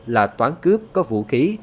là toán cướp có vũ khí